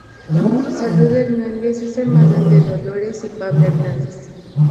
Salud Hernández es hermana de Dolores y Pablo Hernández.